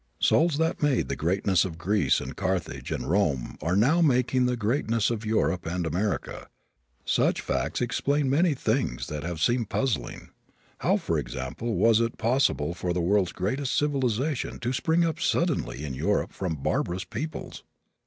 Souls that made the greatness of Greece and Carthage and Rome are now making the greatness of Europe and America. Such facts explain many things that have seemed puzzling. How, for example, was it possible for the world's greatest civilization to spring up suddenly in Europe from barbarous peoples?